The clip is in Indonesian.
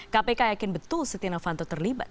kpk yakin betul stiano fanto terlibat